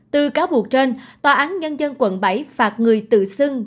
từ cáo buộc trên tòa án nhân dân quận bảy phạt người tự xưng